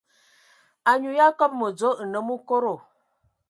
Anyu ya kɔbɔ mədzo, nnəm okodo.